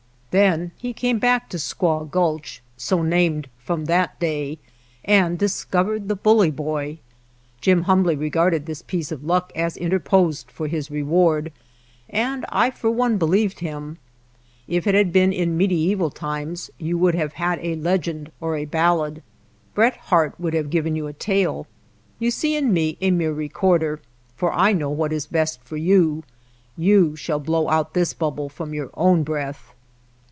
Then he came back to Squaw Gulch, so named from that day, and discovered the Bully Boy. Jim humbly regarded this piece of luck as interposed for his reward, and I for one believed him. If it had been in mediaeval times you would have had a legend or a ballad. Bret Harte would have given you a tale. You see i^ me a mere recorder, for I know what is best for 112 JIMVILLE you ; you shall blow out this bubble from your own breath.